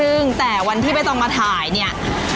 ขอบคุณมากด้วยค่ะพี่ทุกท่านเองนะคะขอบคุณมากด้วยค่ะพี่ทุกท่านเองนะคะ